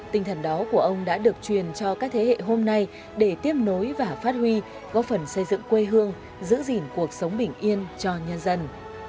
tinh thần đó của ông đã được truyền cho các thế hệ hôm nay để tiếp nối và phát huy góp phần xây dựng quê hương giữ gìn cuộc sống bình yên cho nhân dân